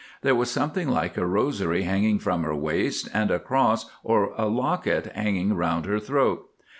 There was something like a rosary hanging from her waist, and a cross or a locket hanging round her throat.